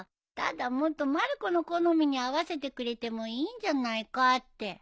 ただもっとまる子の好みに合わせてくれてもいいんじゃないかって。